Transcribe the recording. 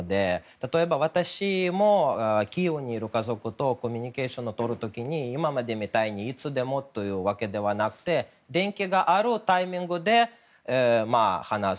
例えば、私もキーウにいる家族とコミュニケーションをとる時に今までみたいにいつでもというわけではなくて電気があるタイミングで話す。